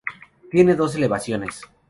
Tiene dos elevaciones.